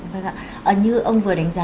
vâng ạ như ông vừa đánh giá